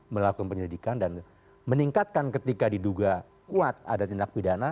melakukan penyelidikan dan meningkatkan ketika diduga kuat ada tindak pidana